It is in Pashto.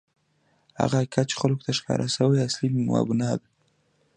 هغه حقیقت چې خلکو ته ښکاره شوی، اصلي مبنا ده.